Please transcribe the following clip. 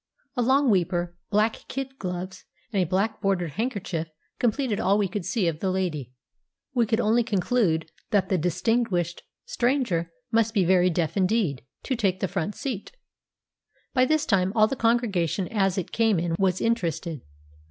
A long weeper, black kid gloves, and a black bordered handkerchief completed all we could see of the lady. We could only conclude that the distinguished stranger must be very deaf indeed, to take the front seat. By this time all the congregation as it came in was interested.